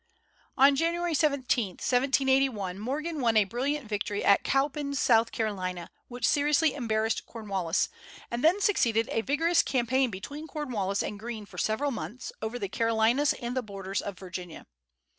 On January 17, 1781, Morgan won a brilliant victory at Cowpens, S.C., which seriously embarrassed Cornwallis; and then succeeded a vigorous campaign between Cornwallis and Greene for several months, over the Carolinas and the borders of Virginia.